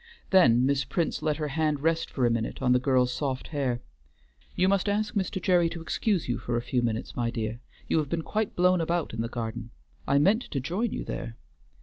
Then Miss Prince let her hand rest for a minute on the girl's soft hair. "You must ask Mr. Gerry to excuse you for a few minutes, my dear, you have been quite blown about in the garden. I meant to join you there."